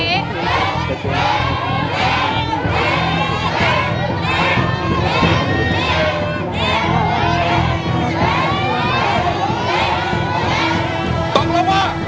เล่นเล่นเล่น